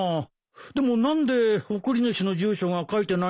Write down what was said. でも何で贈り主の住所が書いてないんだろうね。